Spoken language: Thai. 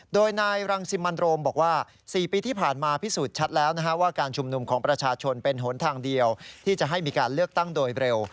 โดยนายรังสิมันโรมบอกว่า๔ปีที่ผ่านมาพิสูจน์ชัดแล้วว่าการชุมนุมของประชาชนเป็นหนทางเดียวที่จะให้มีการเลือกตั้งโดยเร็ว